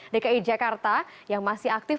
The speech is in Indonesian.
dki jakarta yang masih aktif